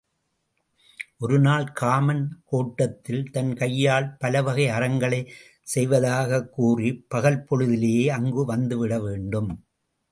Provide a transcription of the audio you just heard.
ஒருநாள் காமன் கோட்டத்தில் தன் கையால் பலவகை அறங்களைச் செய்வதாகக் கூறிப் பகல்பொழுதிலேயே அங்கு வந்துவிட வேண்டும்.